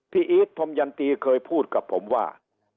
อีทพรมยันตีเคยพูดกับผมว่า